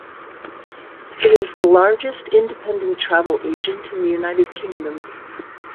It is the largest independent travel agent in the United Kingdom.